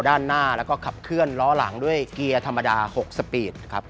ด้านหน้าแล้วก็ขับเคลื่อนล้อหลังด้วยเกียร์ธรรมดา๖สปีดครับ